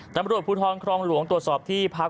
ตำรวจภูทรครองหลวงตรวจสอบที่พัก